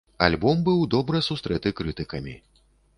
Альбом быў добра сустрэты крытыкамі.